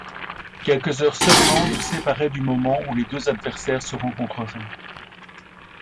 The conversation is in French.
Quelques heures seulement nous séparaient du moment où les deux adversaires se rencontreraient.